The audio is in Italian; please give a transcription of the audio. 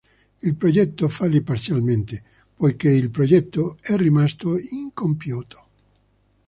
Il progetto fallì parzialmente, poiché il progetto è rimasto incompiuto.